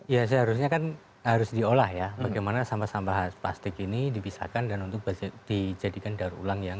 ya seharusnya kan harus diolah ya bagaimana sampah sampah plastik ini dipisahkan dan untuk dijadikan daur ulang yang